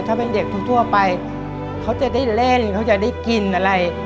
ถ้าเป็นเด็กทั่วไปเขาจะได้เล่นเขาจะได้กินอะไร